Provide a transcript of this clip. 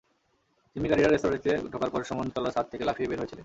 জিম্মিকারীরা রেস্তোরাঁটিতে ঢোকার পর সুমন দোতলার ছাদ থেকে লাফিয়ে বের হয়েছিলেন।